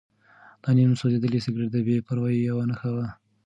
دا نیم سوځېدلی سګرټ د بې پروایۍ یوه نښه وه.